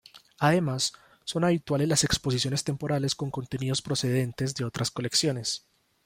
Además, son habituales las exposiciones temporales con contenidos procedentes de otras colecciones.